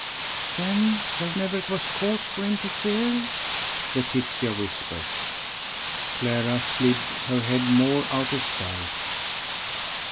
"Then there never was cause for him to fear?" Laetitia whispered. Clara slid her head more out of sight.